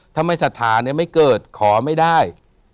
ถ้าไม่ศรัทธาไม่เกิดขอไม่ได้